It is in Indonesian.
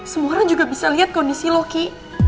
semua orang juga bisa lihat kondisi lo ki